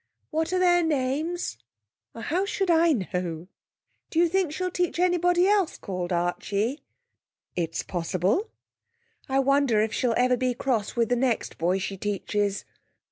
'What are their names?' 'How should I know?' 'Do you think she'll teach anybody else called Archie?' 'It's possible.' 'I wonder if she'll ever be cross with the next boy she teaches.'